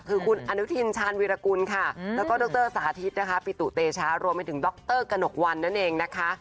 คือคุณอนุทินชาญวิรากุลค่ะแล้วก็ดรสาธิตนะคะปิตุเตชะรวมไปถึงดรกระหนกวันนั่นเองนะคะ